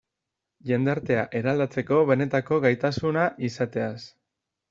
Jendartea eraldatzeko benetako gaitasuna izateaz.